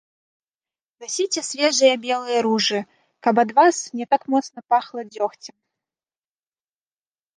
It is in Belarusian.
Насіце свежыя белыя ружы, каб ад вас не так моцна пахла дзёгцем.